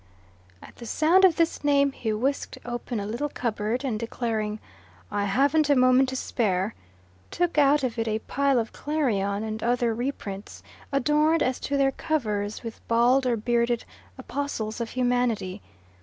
At the sound of this name he whisked open a little cupboard, and declaring, "I haven't a moment to spare," took out of it a pile of "Clarion" and other reprints, adorned as to their covers with bald or bearded apostles of humanity.